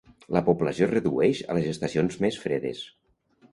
La població es redueix a les estacions més fredes.